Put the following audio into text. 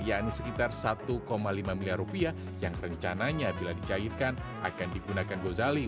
yakni sekitar satu lima miliar rupiah yang rencananya bila dicairkan akan digunakan gozali